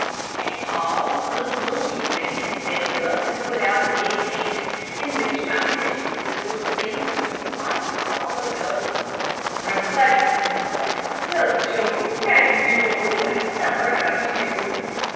A tall, good looking man stepped up and put out a big hand, in which my mistress' little fingers were quite swallowed up. "I am glad to see you, Laura. Well, Joe, how d'ye do, old boy? I've heard about you."